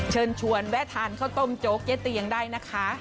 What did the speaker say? เชิญชวนแวะทานข้าวต้มโจ๊กเจ๊เตียงได้นะคะ